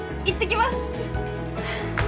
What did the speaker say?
いってきます。